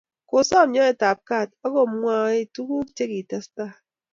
Kisom nyoetab gat akomwoi tuguk che kitestai